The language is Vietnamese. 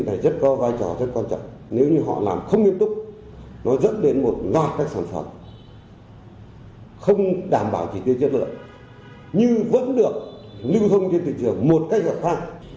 nhưng vẫn được lưu thông trên thị trường một cách giảm khang